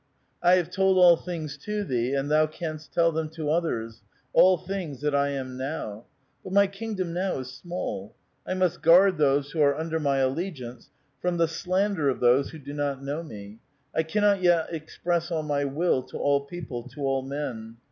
"I have told all things to thee, and thou canst tell them to others, all things that I am now. But my kingdom now is small. I must guard those who are under my allegiance from the slander of those who do not know me ; I cannot 3'et express all my will to all people, to all men.